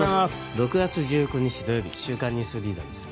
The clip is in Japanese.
６月１９日、土曜日「週刊ニュースリーダー」です。